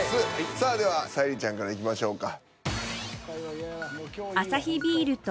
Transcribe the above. さあでは沙莉ちゃんからいきましょうか。